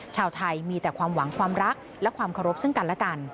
ชาวไทยมีแต่ความหวังความรักและความเคารพซึ่งกันและกัน